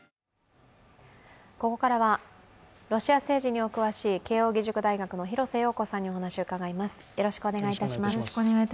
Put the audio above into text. ここからはロシア政治にお詳しい慶応義塾大学の廣瀬陽子さんにお話を伺います。